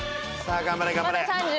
頑張れ頑張れ。